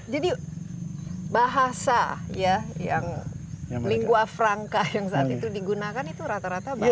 jadi bahasa ya yang lingua franka yang saat itu digunakan itu rata rata bahasa